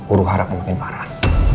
ulu harapnya makin parah